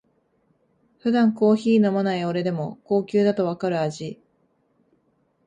普段コーヒー飲まない俺でも高級だとわかる味